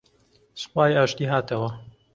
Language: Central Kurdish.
سوپای ئاشتی هاتەوە